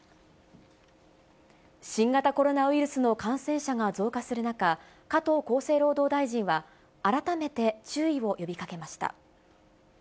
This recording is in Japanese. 新型コロナウイルスの感染者が増加する中、加藤厚生労働大臣は、改めて、注意を呼びかけました。